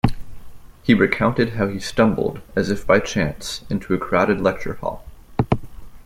He recounted how he stumbled as if by chance into a crowded lecture hall.